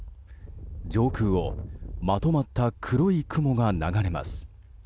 上空をまとまった黒い雲が流れます。